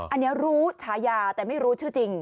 อันนี้รู้ฉายาแต่ไม่รู้ชื่อจริง